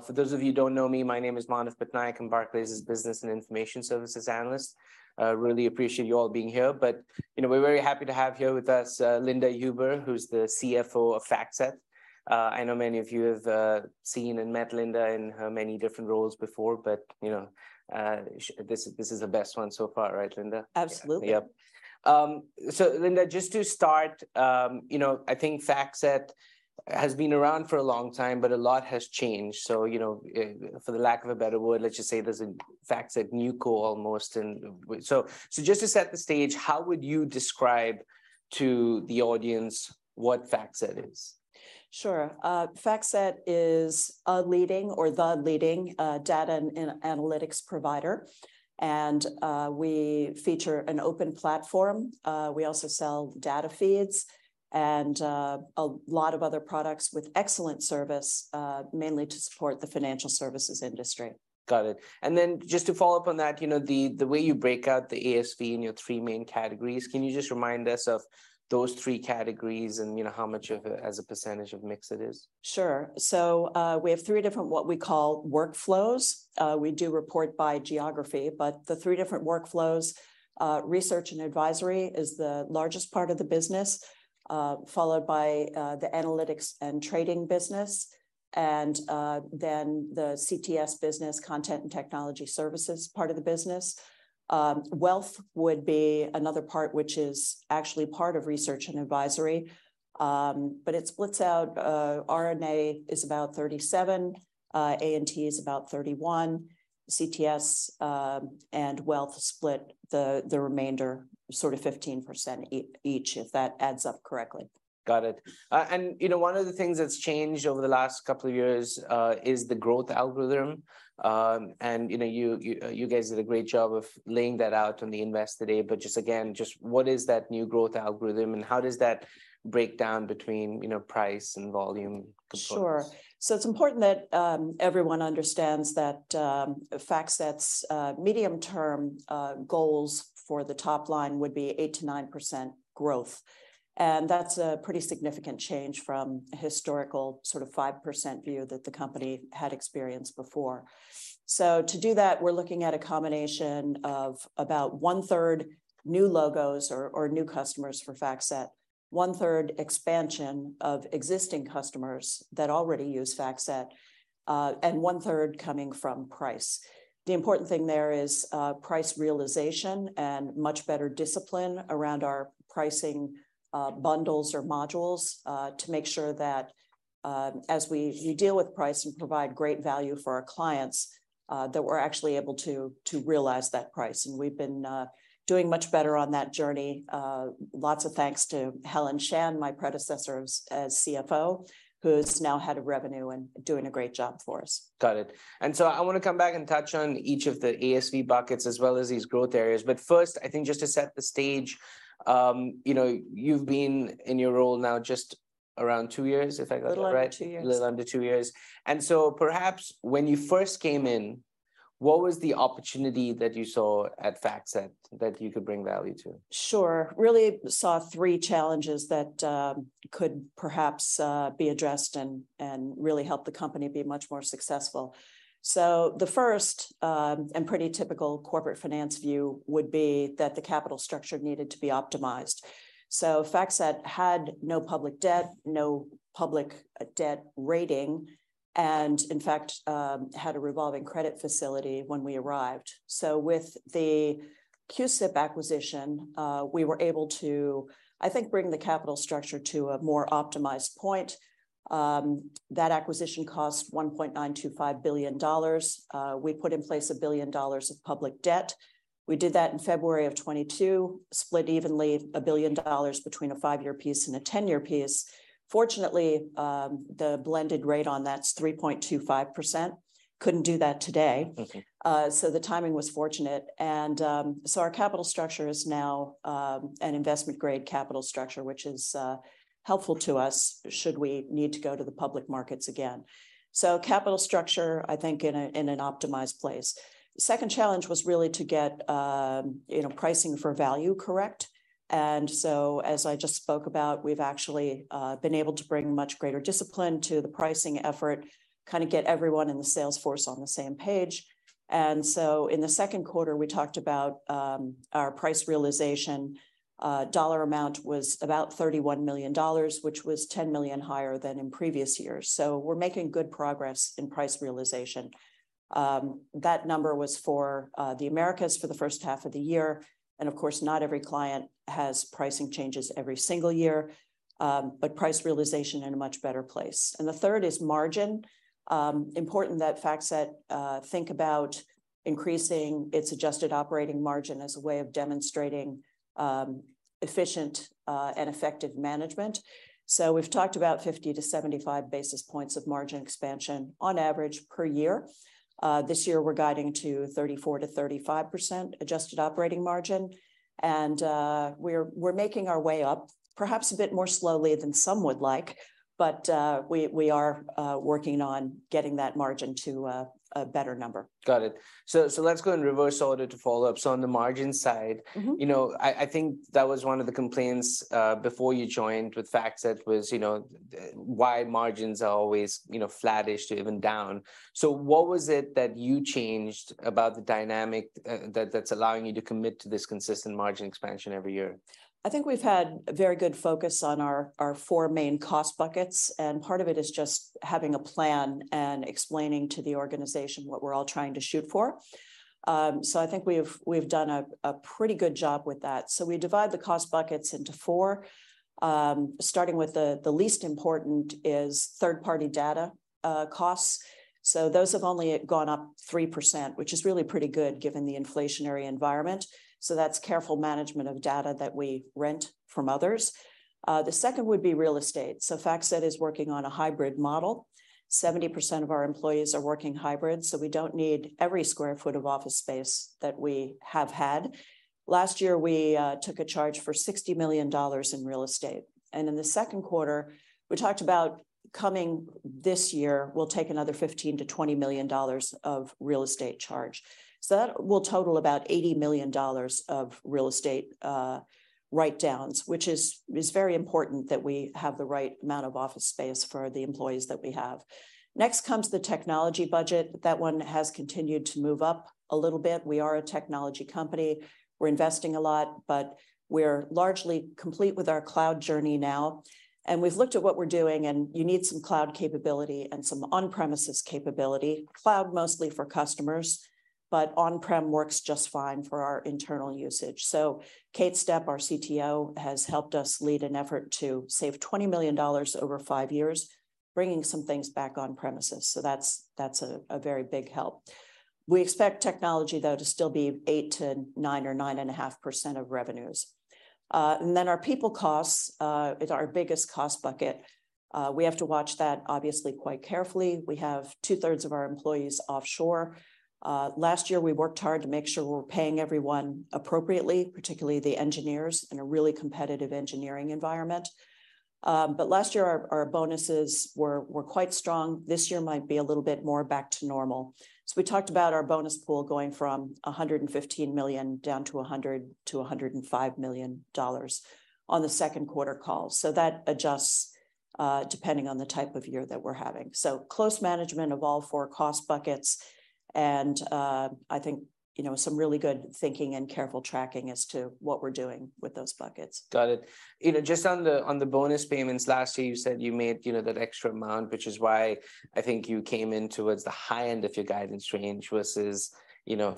For those of you who don't know me, my name is Manav Patnaik. I'm Barclays' Business and Information Services analyst. I really appreciate you all being here. You know, we're very happy to have here with us, Linda Huber, who's the CFO of FactSet. I know many of you have seen and met Linda in her many different roles before, but, you know, this is the best one so far, right Linda? Absolutely. Yep. Linda, just to start, you know, I think FactSet has been around for a long time, but a lot has changed. You know, for the lack of a better word, let's just say there's a FactSet new co almost. Just to set the stage, how would you describe to the audience what FactSet is? Sure. FactSet is a leading or the leading data and analytics provider. We feature an open platform. We also sell data feeds and a lot of other products with excellent service, mainly to support the financial services industry. Got it. Then just to follow up on that, you know, the way you break out the ASV in your three main categories, can you just remind us of those three categories and, you know, how much of it as a percentage of mix it is? Sure. we have three different what we call workflows. We do report by geography, but the three different workflows. Research and Advisory is the largest part of the business, followed by the Analytics and Trading business, and then the CTS business, Content and Technology Services part of the business. Wealth would be another part, which is actually part of Research and Advisory. It splits out, R&A is about 37%, A&T is about 31%, CTS, and wealth split the remainder, sort of 15% each, if that adds up correctly. Got it. You know, one of the things that's changed over the last couple of years, is the growth algorithm. You know, you, you guys did a great job of laying that out on the Investor Day, but just again, just what is that new growth algorithm, and how does that break down between, you know, price and volume components? Sure. It's important that everyone understands that FactSet's medium-term goals for the top line would be 8%-9% growth. That's a pretty significant change from historical sort of 5% view that the company had experienced before. To do that, we're looking at a combination of about 1/3 new logos or new customers for FactSet, 1/3 expansion of existing customers that already use FactSet, and 1/3 coming from price. The important thing there is price realization and much better discipline around our pricing bundles or modules to make sure that as we deal with price and provide great value for our clients, that we're actually able to realize that price, and we've been doing much better on that journey. lots of thanks to Helen Shan, my predecessor as CFO, who's now head of revenue and doing a great job for us. Got it. I wanna come back and touch on each of the ASV buckets as well as these growth areas. First, I think just to set the stage, you know, you've been in your role now just around two years, if I got that right? Little under two years. Little under two years. Perhaps when you first came in, what was the opportunity that you saw at FactSet that you could bring value to? Sure. Really saw three challenges that could perhaps be addressed and really help the company be much more successful. The first, and pretty typical corporate finance view would be that the capital structure needed to be optimized. FactSet had no public debt, no public debt rating, and in fact, had a revolving credit facility when we arrived. With the CUSIP acquisition, we were able to, I think, bring the capital structure to a more optimized point. That acquisition cost $1.925 billion. We put in place $1 billion of public debt. We did that in February of 2022, split evenly $1 billion between a five-year piece and a 10-year piece. Fortunately, the blended rate on that's 3.25%. Couldn't do that today. Okay. The timing was fortunate. Our capital structure is now an investment-grade capital structure, which is helpful to us should we need to go to the public markets again. Capital structure, I think in an optimized place. The second challenge was really to get, you know, pricing for value correct. As I just spoke about, we've actually been able to bring much greater discipline to the pricing effort, kind of get everyone in the sales force on the same page. In the second quarter, we talked about our price realization. Dollar amount was about $31 million, which was $10 million higher than in previous years. We're making good progress in price realization. That number was for the Americas for the first half of the year, and of course, not every client has pricing changes every single year. Price realization in a much better place. The third is margin. Important that FactSet think about increasing its adjusted operating margin as a way of demonstrating efficient and effective management. We've talked about 50-75 basis points of margin expansion on average per year. This year we're guiding to 34%-35% adjusted operating margin. We're making our way up perhaps a bit more slowly than some would like, but we are working on getting that margin to a better number. Got it. Let's go in reverse order to follow up. On the margin side. Mm-hmm... you know, I think that was one of the complaints, before you joined with FactSet was, you know, why margins are always, you know, flattish or even down. What was it that you changed about the dynamic, that's allowing you to commit to this consistent margin expansion every year? I think we've had very good focus on our four main cost buckets. Part of it is just having a plan and explaining to the organization what we're all trying to shoot for. I think we've done a pretty good job with that. We divide the cost buckets into four. Starting with the least important is third-party data costs. Those have only gone up 3%, which is really pretty good given the inflationary environment. That's careful management of data that we rent from others. The second would be real estate. FactSet is working on a hybrid model. 70% of our employees are working hybrid, so we don't need every square foot of office space that we have had. Last year we took a charge for $60 million in real estate. In the second quarter we talked about coming this year we'll take another $15 million-$20 million of real estate charge. That will total about $80 million of real estate write-downs, which is very important that we have the right amount of office space for the employees that we have. Next comes the technology budget. That one has continued to move up a little bit. We are a technology company. We're investing a lot, but we're largely complete with our cloud journey now, and we've looked at what we're doing. You need some cloud capability and some on-premises capability. Cloud mostly for customers, but on-prem works just fine for our internal usage. Kate Stepp, our CTO, has helped us lead an effort to save $20 million over five years, bringing some things back on premises. That's a very big help. We expect technology, though, to still be 8%-9% or 9.5% of revenues. And then our people costs is our biggest cost bucket. We have to watch that obviously quite carefully. We have 2/3 of our employees offshore. Last year we worked hard to make sure we're paying everyone appropriately, particularly the engineers, in a really competitive engineering environment. Last year our bonuses were quite strong. This year might be a little bit more back to normal. We talked about our bonus pool going from $115 million down to $100 million-$105 million on the second quarter call. That adjusts, depending on the type of year that we're having. Close management of all four cost buckets and, I think, you know, some really good thinking and careful tracking as to what we're doing with those buckets. Got it. You know, just on the bonus payments, last year you said you made, you know, that extra amount, which is why I think you came in towards the high end of your guidance range versus, you know,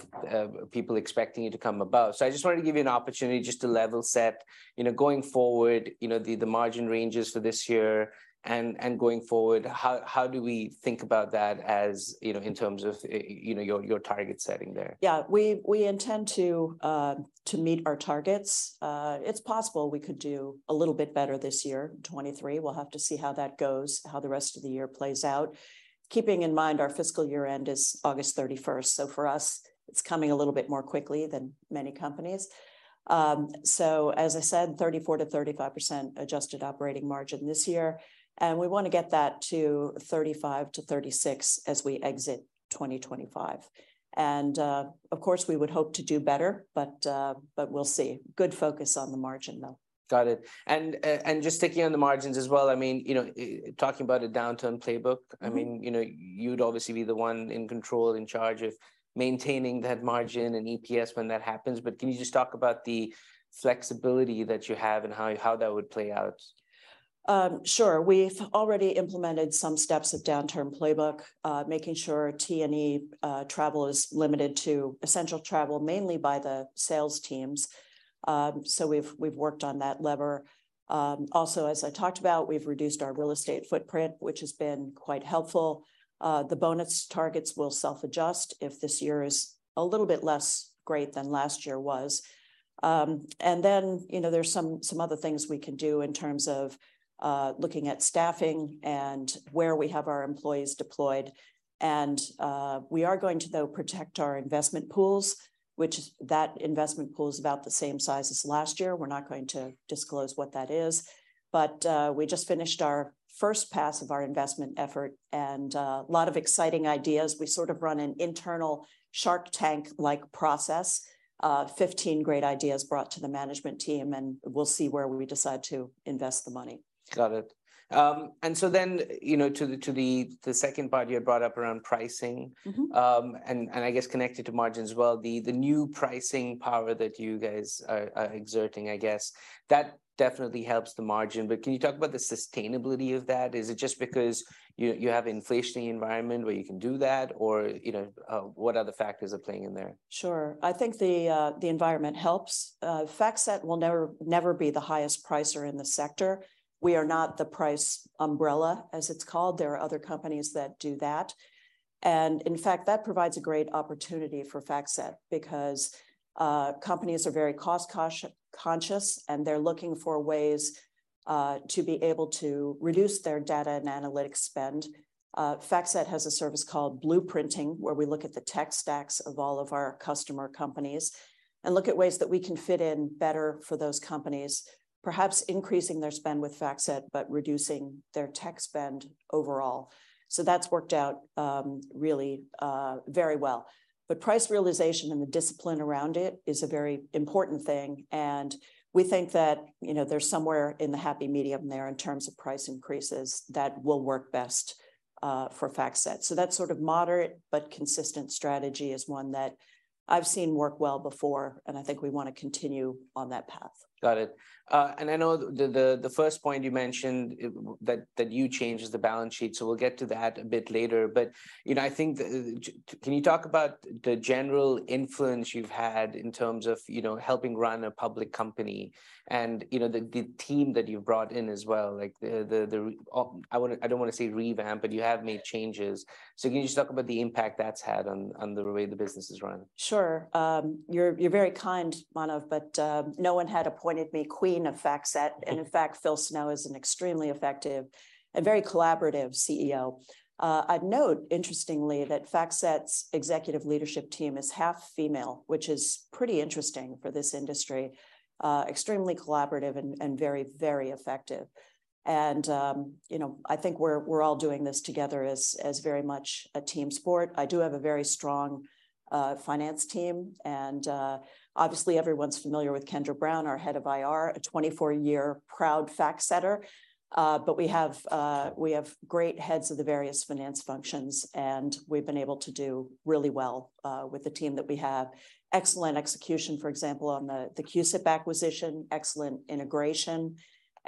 people expecting you to come above. I just wanted to give you an opportunity just to level set, you know, going forward, you know, the margin ranges for this year and going forward, how do we think about that as, you know, in terms of, you know, your target setting there? Yeah. We intend to meet our targets. It's possible we could do a little bit better this year, 2023. We'll have to see how that goes, how the rest of the year plays out, keeping in mind our fiscal year end is August 31st. For us, it's coming a little bit more quickly than many companies. As I said, 34%-35% adjusted operating margin this year, we wanna get that to 35%-36% as we exit 2025. Of course we would hope to do better, but we'll see. Good focus on the margin, though. Got it. And just sticking on the margins as well, I mean, you know, talking about a downturn playbook- Mm-hmm I mean, you know, you'd obviously be the one in control, in charge of maintaining that margin and EPS when that happens. Can you just talk about the flexibility that you have and how that would play out? Sure. We've already implemented some steps of downturn playbook, making sure T&E travel is limited to essential travel mainly by the sales teams. We've worked on that lever. Also as I talked about, we've reduced our real estate footprint, which has been quite helpful. The bonus targets will self-adjust if this year is a little bit less great than last year was. Then, you know, there's some other things we can do in terms of looking at staffing and where we have our employees deployed. We are going to, though, protect our investment pools, which that investment pool is about the same size as last year. We're not going to disclose what that is. We just finished our first pass of our investment effort, and a lot of exciting ideas. We sort of run an internal Shark Tank-like process. 15 great ideas brought to the management team, and we'll see where we decide to invest the money. Got it. you know, to the second part you had brought up around pricing. Mm-hmm I guess connected to margin as well, the new pricing power that you guys are exerting, I guess, that definitely helps the margin. Can you talk about the sustainability of that? Is it just because you have inflationary environment where you can do that? You know, what other factors are playing in there? Sure. I think the environment helps. FactSet will never be the highest pricer in the sector. We are not the price umbrella, as it's called. There are other companies that do that. In fact, that provides a great opportunity for FactSet because companies are very cost-conscious, and they're looking for ways to be able to reduce their data and analytics spend. FactSet has a service called Blueprinting, where we look at the tech stacks of all of our customer companies and look at ways that we can fit in better for those companies, perhaps increasing their spend with FactSet, but reducing their tech spend overall. That's worked out, really, very well. Price realization and the discipline around it is a very important thing, and we think that, you know, there's somewhere in the happy medium there in terms of price increases that will work best for FactSet. That sort of moderate but consistent strategy is one that I've seen work well before, and I think we wanna continue on that path. Got it. I know the first point you mentioned that you changed is the balance sheet, so we'll get to that a bit later. You know, I think, can you talk about the general influence you've had in terms of, you know, helping run a public company and, you know, the team that you've brought in as well? Like, I don't wanna say revamp, but you have made changes. Can you just talk about the impact that's had on the way the business is run? Sure. You're, you're very kind, Manav, but no one had appointed me queen of FactSet. In fact, Phil Snow is an extremely effective and very collaborative CEO. I'd note interestingly that FactSet's executive leadership team is half female, which is pretty interesting for this industry. Extremely collaborative and very effective. You know, I think we're all doing this together as very much a team sport. I do have a very strong finance team, and obviously everyone's familiar with Kendra Brown, our Head of IR, a 24-year proud FactSetter. We have great heads of the various finance functions, and we've been able to do really well with the team that we have. Excellent execution, for example, on the CUSIP acquisition, excellent integration.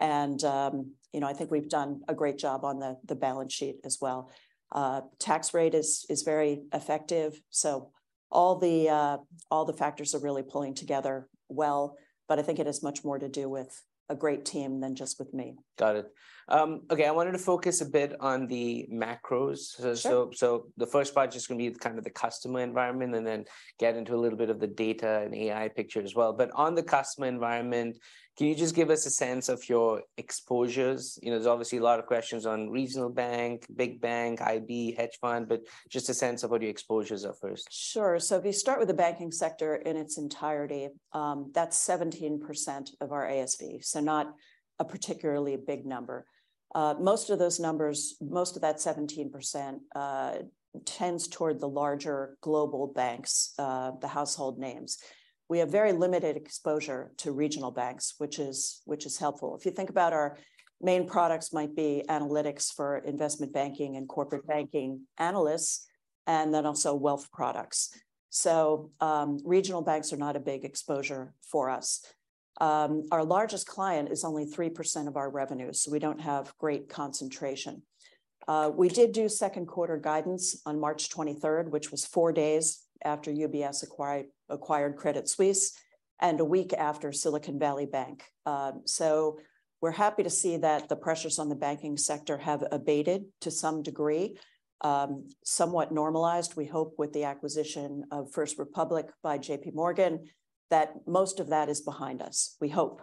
You know, I think we've done a great job on the balance sheet as well. Tax rate is very effective. All the factors are really pulling together well. I think it has much more to do with a great team than just with me. Got it. Okay, I wanted to focus a bit on the macros. Sure. The first part is just gonna be kind of the customer environment, and then get into a little bit of the data and AI picture as well. On the customer environment, can you just give us a sense of your exposures? You know, there's obviously a lot of questions on regional bank, big bank, IB, hedge fund, but just a sense of what your exposures are first. Sure. If you start with the banking sector in its entirety, that's 17% of our ASV, not a particularly big number. Most of those numbers, most of that 17%, tends toward the larger global banks, the household names. We have very limited exposure to regional banks, which is helpful. If you think about our main products might be analytics for investment banking and corporate banking analysts, and then also wealth products. Regional banks are not a big exposure for us. Our largest client is only 3% of our revenue, so we don't have great concentration. We did do second quarter guidance on March 23rd, which was four days after UBS acquired Credit Suisse, and a week after Silicon Valley Bank. We're happy to see that the pressures on the banking sector have abated to some degree, somewhat normalized. We hope with the acquisition of First Republic by JPMorgan that most of that is behind us, we hope.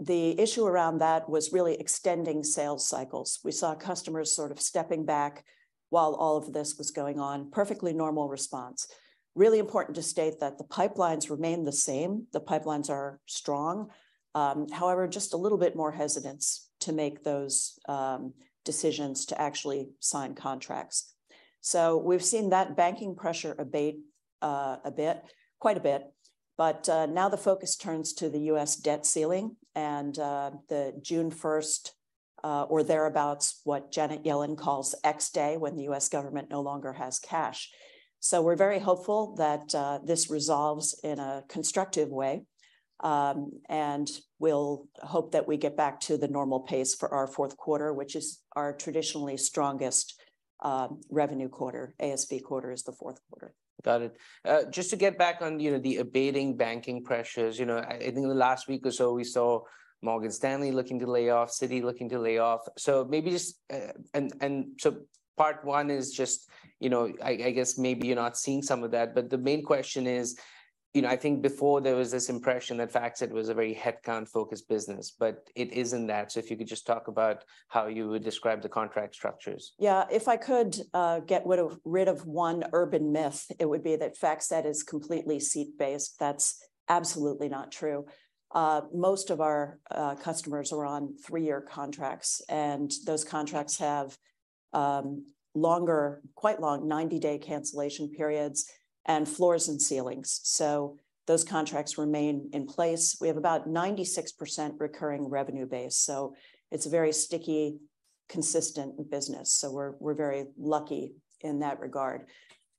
The issue around that was really extending sales cycles. We saw customers sort of stepping back while all of this was going on. Perfectly normal response. Really important to state that the pipelines remain the same. The pipelines are strong. However, just a little bit more hesitance to make those decisions to actually sign contracts. We've seen that banking pressure abate a bit, quite a bit, but now the focus turns to the U.S. debt ceiling and the June 1st, or thereabouts, what Janet Yellen calls X-date, when the U.S. government no longer has cash. We're very hopeful that this resolves in a constructive way, and we'll hope that we get back to the normal pace for our fourth quarter, which is our traditionally strongest revenue quarter. ASV quarter is the fourth quarter. Got it. Just to get back on, you know, the abating banking pressures. You know, in the last week or so, we saw Morgan Stanley looking to lay off, Citi looking to lay off, so maybe just. Part one is just, you know, I guess maybe you're not seeing some of that, but the main question is, you know, I think before there was this impression that FactSet was a very headcount-focused business, but it isn't that. If you could just talk about how you would describe the contract structures. If I could get rid of one urban myth, it would be that FactSet is completely seat-based. That's absolutely not true. Most of our customers are on three-year contracts, and those contracts have longer, quite long 90-day cancellation periods and floors and ceilings. Those contracts remain in place. We have about 96% recurring revenue base. It's a very sticky, consistent business. We're very lucky in that regard.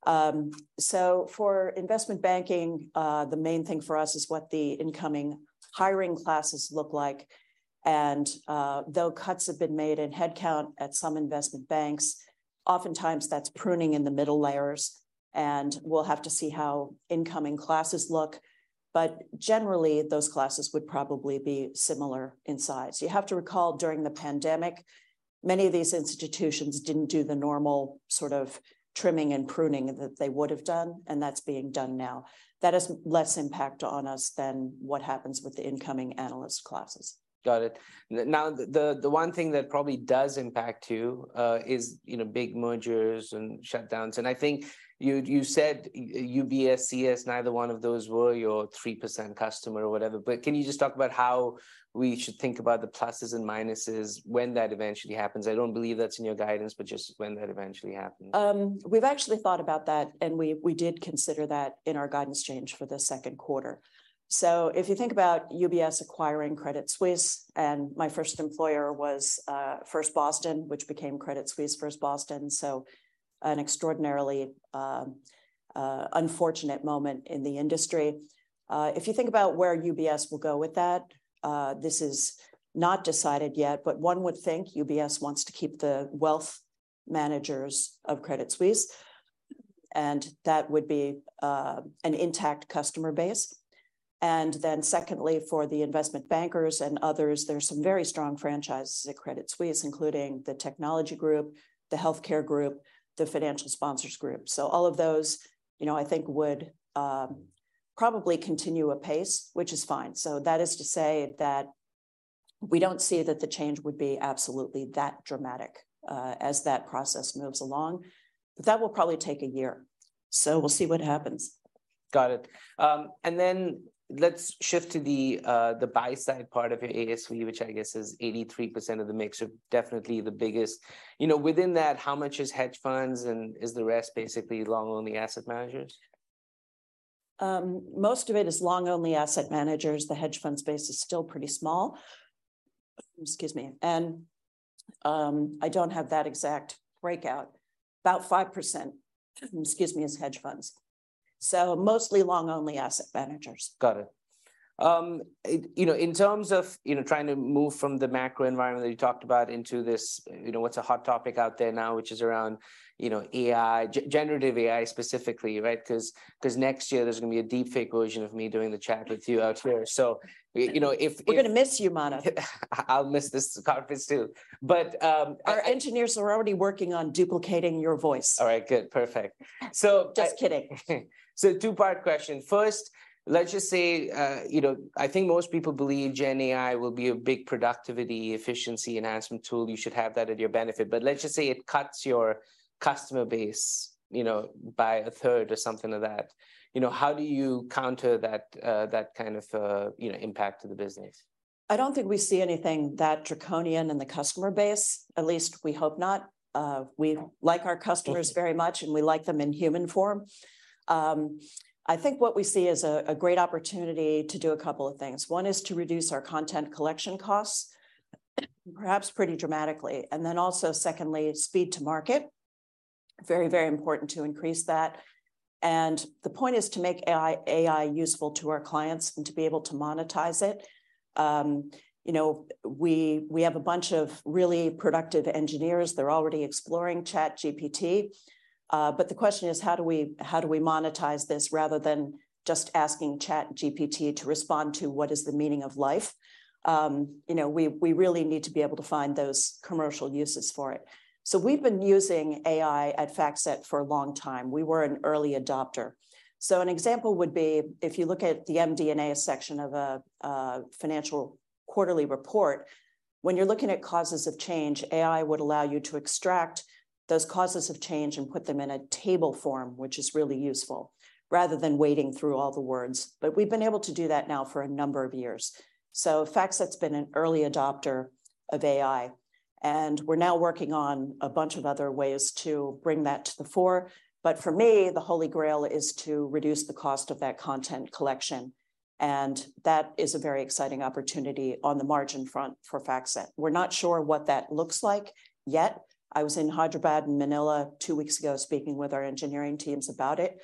For investment banking, the main thing for us is what the incoming hiring classes look like, and though cuts have been made in headcount at some investment banks. Oftentimes that's pruning in the middle layers, and we'll have to see how incoming classes look. Generally, those classes would probably be similar in size. You have to recall during the pandemic, many of these institutions didn't do the normal sort of trimming and pruning that they would've done, and that's being done now. That has less impact on us than what happens with the incoming analyst classes. Got it. Now the one thing that probably does impact you know, is big mergers and shutdowns. I think you said UBS, CS, neither one of those were your 3% customer or whatever. Can you just talk about how we should think about the pluses and minuses when that eventually happens? I don't believe that's in your guidance, but just when that eventually happens. We've actually thought about that, and we did consider that in our guidance change for the second quarter. If you think about UBS acquiring Credit Suisse, and my first employer was First Boston, which became Credit Suisse First Boston, so an extraordinarily unfortunate moment in the industry. If you think about where UBS will go with that, this is not decided yet, but one would think UBS wants to keep the wealth managers of Credit Suisse. That would be an intact customer base. Secondly, for the investment bankers and others, there's some very strong franchises at Credit Suisse, including the technology group, the healthcare group, the financial sponsors group. All of those, you know, I think would probably continue apace, which is fine. That is to say that we don't see that the change would be absolutely that dramatic, as that process moves along. That will probably take a year, so we'll see what happens. Got it. Let's shift to the buy-side part of your ASV, which I guess is 83% of the mix, so definitely the biggest. You know, within that, how much is hedge funds, and is the rest basically long-only asset managers? Most of it is long-only asset managers. The hedge fund space is still pretty small. Excuse me. I don't have that exact breakout. About 5%, excuse me, is hedge funds. Mostly long-only asset managers. Got it. You know, in terms of, you know, trying to move from the macro environment that you talked about into this, you know, what's a hot topic out there now, which is around, you know, AI, generative AI specifically, right? Cause next year there's gonna be a deep fake version of me doing the chat with you out here. You know, if- We're gonna miss you, Manav. I'll miss this conference too. Our engineers are already working on duplicating your voice. All right, good. Perfect. Just kidding. Two-part question. First, let's just say, you know, I think most people believe Gen AI will be a big productivity efficiency enhancement tool. You should have that at your benefit. But let's just say it cuts your customer base, you know, by a third or something of that. You know, how do you counter that kind of, you know, impact to the business? I don't think we see anything that draconian in the customer base, at least we hope not. We like our customers very much. Okay... and we like them in human form. I think what we see is a great opportunity to do a couple of things. One is to reduce our content collection costs, perhaps pretty dramatically, and then also secondly, speed to market, very important to increase that. The point is to make AI useful to our clients and to be able to monetize it. You know, we have a bunch of really productive engineers. They're already exploring ChatGPT. The question is, how do we monetize this rather than just asking ChatGPT to respond to what is the meaning of life? You know, we really need to be able to find those commercial uses for it. We've been using AI at FactSet for a long time. We were an early adopter. An example would be if you look at the MD&A section of a financial quarterly report, when you're looking at causes of change, AI would allow you to extract those causes of change and put them in a table form, which is really useful, rather than wading through all the words. We've been able to do that now for a number of years. FactSet's been an early adopter of AI, and we're now working on a bunch of other ways to bring that to the fore. For me, the holy grail is to reduce the cost of that content collection, and that is a very exciting opportunity on the margin front for FactSet. We're not sure what that looks like yet. I was in Hyderabad and Manila two weeks ago speaking with our engineering teams about it.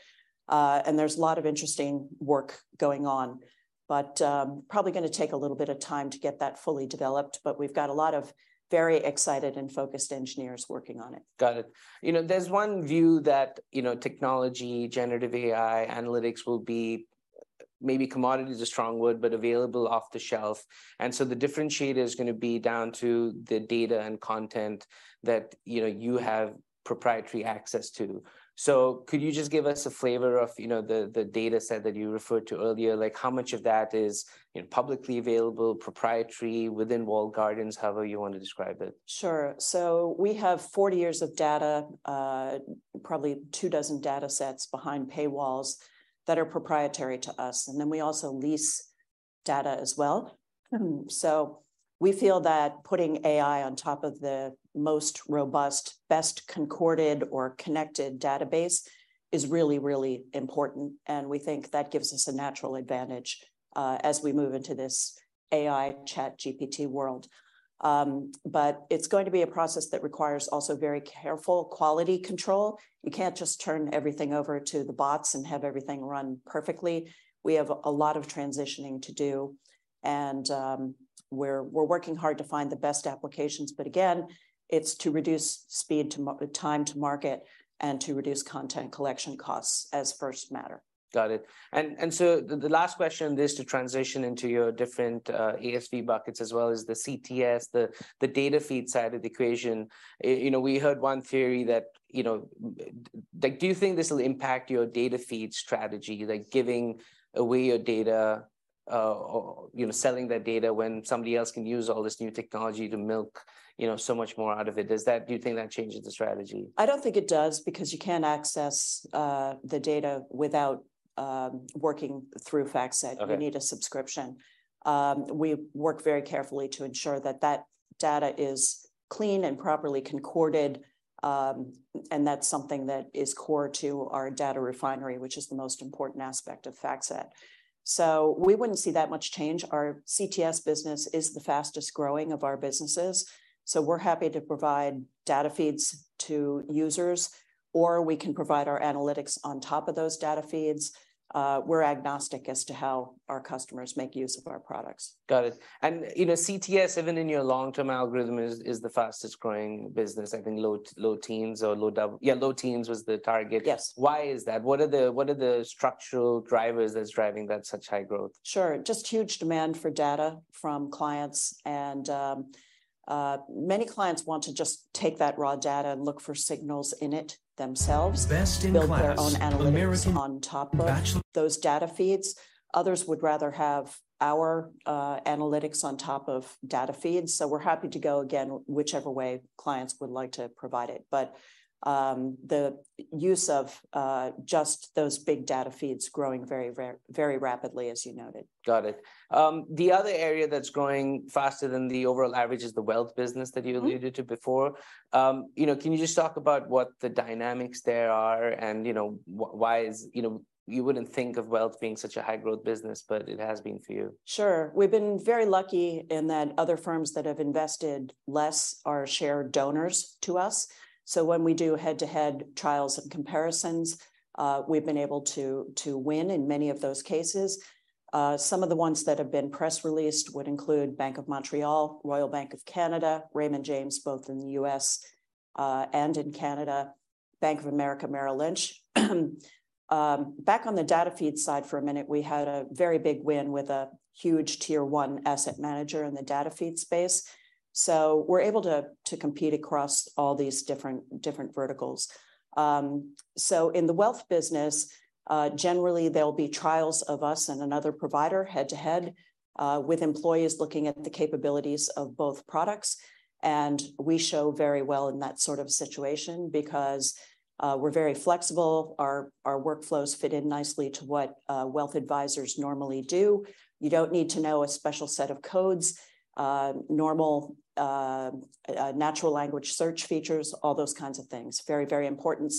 There's a lot of interesting work going on. Probably going to take a little bit of time to get that fully developed, but we've got a lot of very excited and focused engineers working on it. Got it. You know, there's one view that, you know, technology, generative AI, analytics will be maybe commodity's a strong word, but available off the shelf, and so the differentiator's gonna be down to the data and content that, you know, you have proprietary access to. Could you just give us a flavor of, you know, the data set that you referred to earlier? Like, how much of that is, you know, publicly available, proprietary, within walled gardens, however you wanna describe it? Sure. We have 40 years of data, probably two dozen data sets behind paywalls that are proprietary to us, and then we also lease data as well. We feel that putting AI on top of the most robust, best concorded or connected database is really, really important, and we think that gives us a natural advantage as we move into this AI ChatGPT world. It's going to be a process that requires also very careful quality control. You can't just turn everything over to the bots and have everything run perfectly. We have a lot of transitioning to do. We're working hard to find the best applications, but again, it's to reduce speed to time to market and to reduce content collection costs as first matter. Got it. The last question, this to transition into your different ASV buckets as well as the CTS, the data feed side of the equation. You know, we heard one theory that, you know, like do you think this will impact your data feed strategy, like giving away your data, you know, selling that data when somebody else can use all this new technology to milk, you know, so much more out of it? Do you think that changes the strategy? I don't think it does because you can't access the data without working through FactSet. Okay. You need a subscription. We work very carefully to ensure that that data is clean and properly concorded, and that's something that is core to our content refinery, which is the most important aspect of FactSet. We wouldn't see that much change. Our CTS business is the fastest growing of our businesses, so we're happy to provide data feeds to users, or we can provide our analytics on top of those data feeds. We're agnostic as to how our customers make use of our products. Got it. you know, CTS, even in your long-term algorithm, is the fastest growing business. I think low teens was the target. Yes. Why is that? What are the structural drivers that's driving that such high growth? Sure. Just huge demand for data from clients and many clients want to just take that raw data and look for signals in it themselves.... build their own analytics on top of those data feeds. Others would rather have our analytics on top of data feeds. We're happy to go, again, whichever way clients would like to provide it. The use of just those big data feeds growing very rapidly, as you noted. Got it. The other area that's growing faster than the overall average is the wealth business that. Mm-hmm... alluded to before. You know, can you just talk about what the dynamics there are and, you know, why is? You know, you wouldn't think of wealth being such a high growth business, but it has been for you. Sure. We've been very lucky in that other firms that have invested less are share donors to us. When we do head-to-head trials and comparisons, we've been able to win in many of those cases. Some of the ones that have been press released would include Bank of Montreal, Royal Bank of Canada, Raymond James, both in the U.S., and in Canada, Bank of America, Merrill Lynch. Back on the data feed side for a minute, we had a very big win with a huge tier one asset manager in the data feed space. We're able to compete across all these different verticals. In the wealth business, generally there'll be trials of us and another provider head-to-head, with employees looking at the capabilities of both products. We show very well in that sort of situation because we're very flexible. Our workflows fit in nicely to what wealth advisors normally do. You don't need to know a special set of codes. Normal natural language search features, all those kinds of things. Very, very important.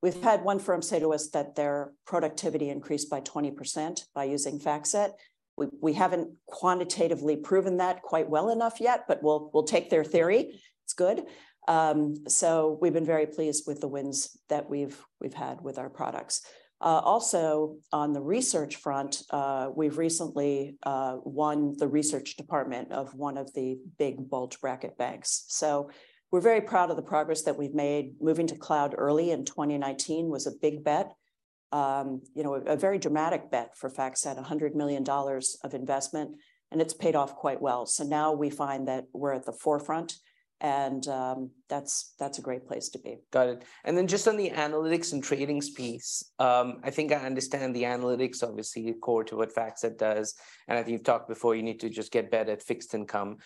We've had one firm say to us that their productivity increased by 20% by using FactSet. We haven't quantitatively proven that quite well enough yet, but we'll take their theory. It's good. We've been very pleased with the wins that we've had with our products. Also on the research front, we've recently won the research department of one of the big bulge bracket banks. We're very proud of the progress that we've made. Moving to cloud early in 2019 was a big bet. You know, a very dramatic bet for FactSet, $100 million of investment, and it's paid off quite well. Now we find that we're at the forefront and, that's a great place to be. Got it. Just on the Analytics and Tradings piece, I think I understand the analytics obviously core to what FactSet does, and I think you've talked before you need to just get better at fixed income.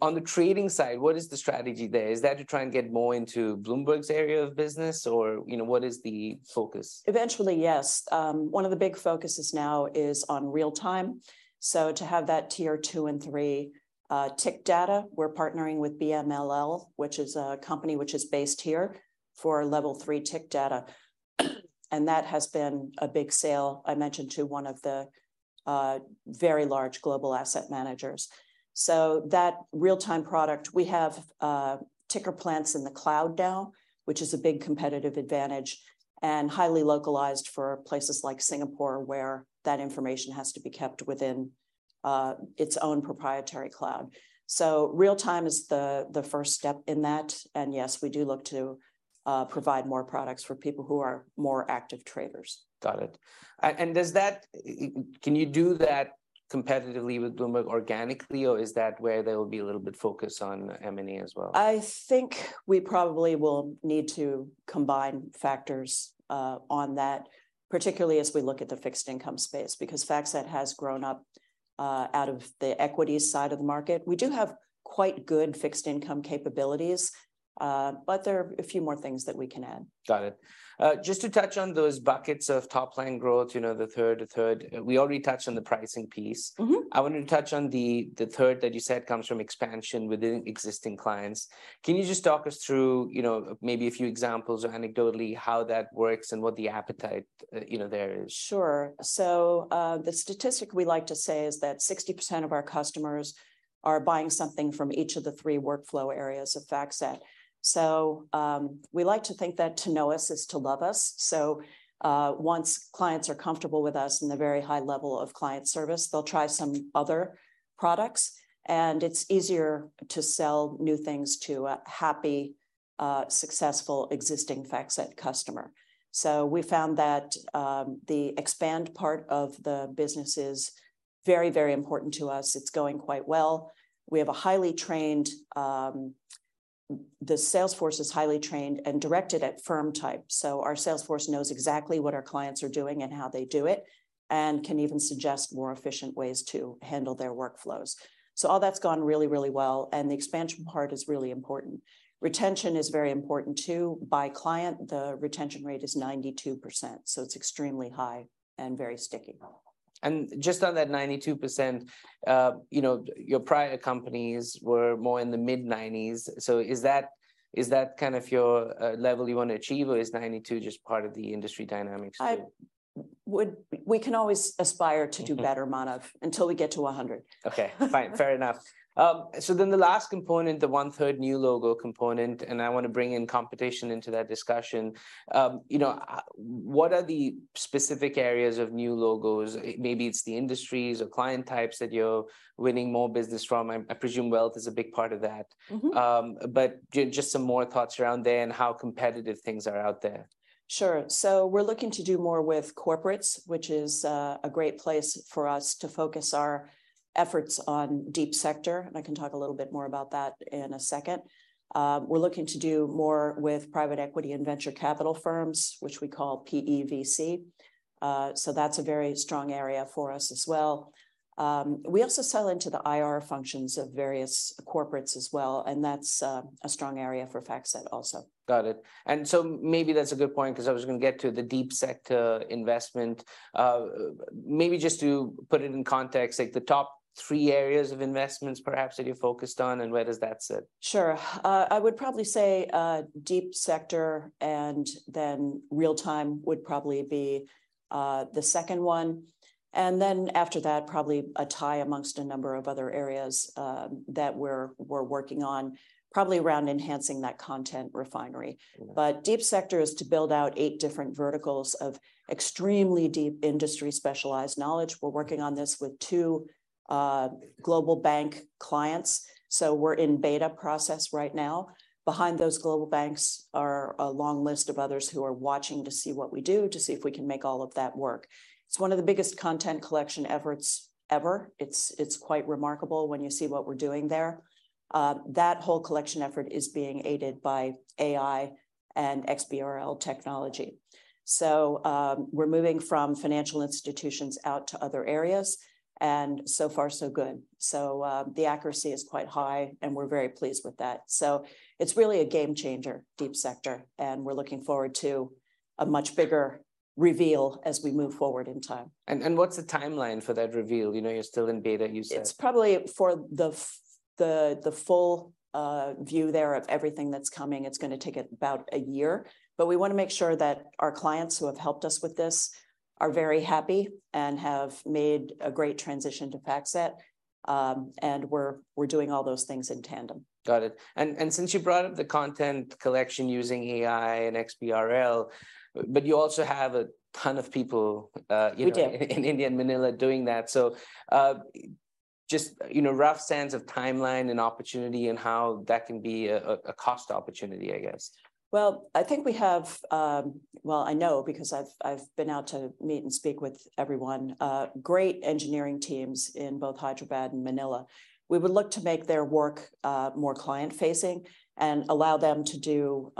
On the trading side, what is the strategy there? Is that to try and get more into Bloomberg's area of business or, you know, what is the focus? Eventually, yes. One of the big focuses now is on real time. To have that tier two and three tick data, we're partnering with BMLL, which is a company which is based here, for level three tick data. That has been a big sale, I mentioned, to one of the very large global asset managers. That real-time product, we have ticker plants in the cloud now, which is a big competitive advantage and highly localized for places like Singapore, where that information has to be kept within its own proprietary cloud. Real time is the first step in that, and yes, we do look to provide more products for people who are more active traders. Got it. Can you do that competitively with Bloomberg organically, or is that where there will be a little bit focus on M&A as well? I think we probably will need to combine factors on that, particularly as we look at the fixed income space because FactSet has grown up out of the equities side of the market. We do have quite good fixed income capabilities, but there are a few more things that we can add. Got it. Just to touch on those buckets of top line growth, you know, the third. We already touched on the pricing piece. Mm-hmm. I wanted to touch on the third that you said comes from expansion within existing clients. Can you just talk us through, you know, maybe a few examples anecdotally how that works and what the appetite, you know, there is? Sure. The statistic we like to say is that 60% of our customers are buying something from each of the three workflow areas of FactSet. We like to think that to know us is to love us. Once clients are comfortable with us and the very high level of client service, they'll try some other products, and it's easier to sell new things to a happy, successful existing FactSet customer. We found that the expand part of the business is very, very important to us. It's going quite well. The sales force is highly trained and directed at firm type, our sales force knows exactly what our clients are doing and how they do it, and can even suggest more efficient ways to handle their workflows. All that's gone really, really well, and the expansion part is really important. Retention is very important, too. By client, the retention rate is 92%, so it's extremely high and very sticky. Just on that 92%, you know, your prior companies were more in the mid-90s, is that kind of your level you wanna achieve, or is 92% just part of the industry dynamics too? I would... We can always aspire- Mm-hmm... to do better, Manav, until we get to 100%. Okay. Fine. Fair enough. The last component, the 1/3 new logo component, I wanna bring in competition into that discussion, you know, what are the specific areas of new logos, maybe it's the industries or client types that you're winning more business from. I presume wealth is a big part of that. Mm-hmm. Just some more thoughts around there and how competitive things are out there. Sure. We're looking to do more with corporates, which is a great place for us to focus our efforts on Deep Sector, and I can talk a little bit more about that in a second. We're looking to do more with private equity and venture capital firms, which we call PEVC. That's a very strong area for us as well. We also sell into the IR functions of various corporates as well, and that's a strong area for FactSet also. Got it. Maybe that's a good point, 'cause I was gonna get to the Deep Sector investment. Maybe just to put it in context, like the top three areas of investments perhaps that you're focused on, and where does that sit? Sure. I would probably say, Deep Sector, and then real time would probably be the second one. After that, probably a tie amongst a number of other areas, that we're working on, probably around enhancing that content refinery. Okay. Deep Sector is to build out eight different verticals of extremely deep industry specialized knowledge. We're working on this with two global bank clients, so we're in beta process right now. Behind those global banks are a long list of others who are watching to see what we do to see if we can make all of that work. It's one of the biggest content collection efforts ever. It's quite remarkable when you see what we're doing there. That whole collection effort is being aided by AI and XBRL technology. We're moving from financial institutions out to other areas, and so far so good. The accuracy is quite high, and we're very pleased with that. It's really a game-changer, Deep Sector, and we're looking forward to a much bigger reveal as we move forward in time. What's the timeline for that reveal? You know, you're still in beta you said? It's probably, for the full view there of everything that's coming, it's gonna take about a year. We wanna make sure that our clients who have helped us with this are very happy and have made a great transition to FactSet, and we're doing all those things in tandem. Got it. Since you brought up the content collection using AI and XBRL, but you also have a ton of people, you know. We do.... in India and Manila doing that. just, you know, rough sense of timeline and opportunity and how that can be a cost opportunity, I guess. I think we have. I know, because I've been out to meet and speak with everyone. Great engineering teams in both Hyderabad and Manila. We would look to make their work more client-facing and allow them to do,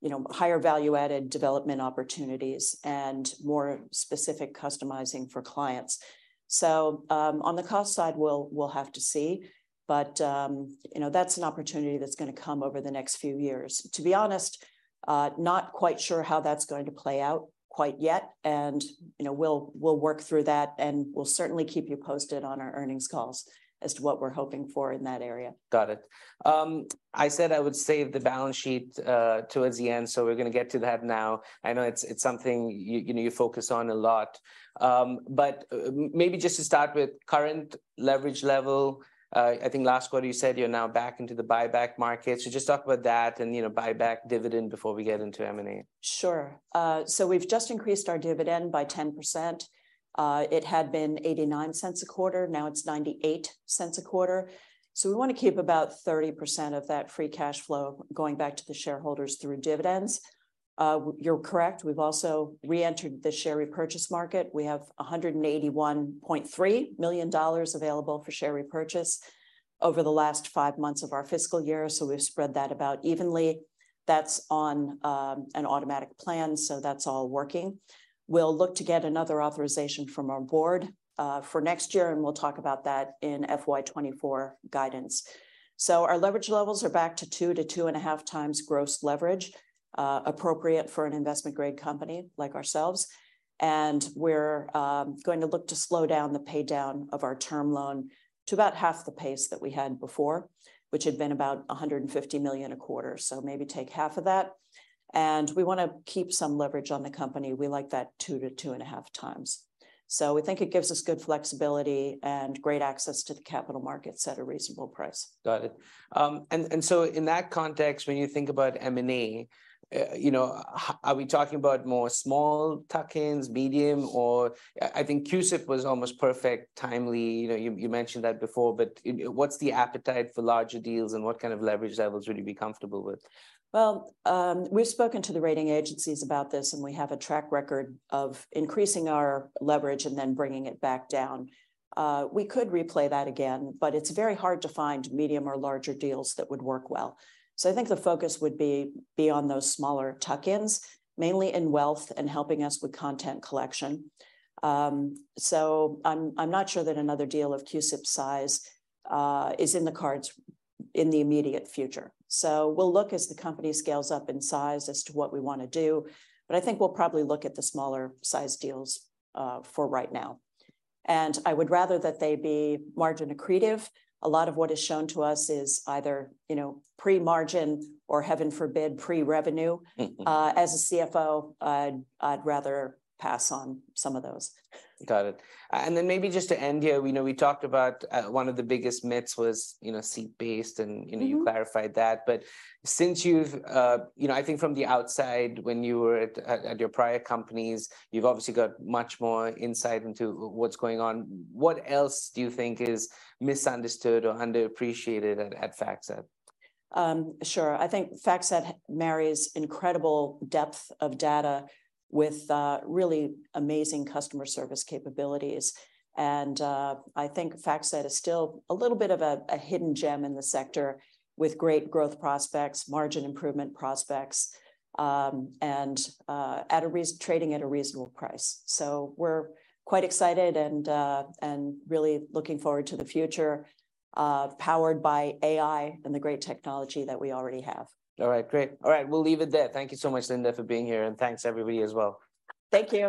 you know, higher value-added development opportunities and more specific customizing for clients. On the cost side, we'll have to see. You know, that's an opportunity that's gonna come over the next few years. To be honest, not quite sure how that's going to play out quite yet, and, you know, we'll work through that, and we'll certainly keep you posted on our earnings calls as to what we're hoping for in that area. Got it. I said I would save the balance sheet towards the end. We're gonna get to that now. I know it's something you know, you focus on a lot. Maybe just to start with current leverage level. I think last quarter you said you're now back into the buyback market. Just talk about that and, you know, buyback dividend before we get into M&A. Sure. We've just increased our dividend by 10%. It had been $0.89 a quarter. Now it's $0.98 a quarter. We wanna keep about 30% of that free cash flow going back to the shareholders through dividends. You're correct, we've also reentered the share repurchase market. We have $181.3 million available for share repurchase over the last five months of our fiscal year, so we've spread that about evenly. That's on an automatic plan, so that's all working. We'll look to get another authorization from our board for next year, and we'll talk about that in FY 2024 guidance. Our leverage levels are back to 2x to 2.5x gross leverage, appropriate for an investment grade company like ourselves. We're going to look to slow down the pay down of our term loan to about half the pace that we had before, which had been about $150 million a quarter, so maybe take half of that. We wanna keep some leverage on the company. We like that 2x to 2.5x. We think it gives us good flexibility and great access to the capital markets at a reasonable price. Got it. In that context, when you think about M&A, you know, are we talking about more small tuck-ins, medium, or... I think CUSIP was almost perfect timing. You know, you mentioned that before. You know, what's the appetite for larger deals, and what kind of leverage levels would you be comfortable with? Well, we've spoken to the rating agencies about this. We have a track record of increasing our leverage and then bringing it back down. We could replay that again, but it's very hard to find medium or larger deals that would work well. I think the focus would be on those smaller tuck-ins, mainly in wealth and helping us with content collection. I'm not sure that another deal of CUSIP's size is in the cards in the immediate future. We'll look as the company scales up in size as to what we wanna do, but I think we'll probably look at the smaller size deals for right now. I would rather that they be margin accretive. A lot of what is shown to us is either, you know, pre-margin or, heaven forbid, pre-revenue. As a CFO, I'd rather pass on some of those. Got it. Then maybe just to end here, we know we talked about, one of the biggest myths was, you know, seat-based, and you know. Mm-hmm... you clarified that. Since you've... You know, I think from the outside, when you were at your prior companies, you've obviously got much more insight into what's going on. What else do you think is misunderstood or underappreciated at FactSet? Sure. I think FactSet marries incredible depth of data with really amazing customer service capabilities. I think FactSet is still a little bit of a hidden gem in the sector with great growth prospects, margin improvement prospects, and trading at a reasonable price. We're quite excited and really looking forward to the future, powered by AI and the great technology that we already have. All right, great. All right, we'll leave it there. Thank you so much, Linda, for being here. Thanks everybody as well. Thank you.